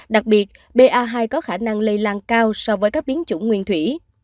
đặc biệt ba hai có khả năng lây lan cao so với các biến chủng nguyên thủy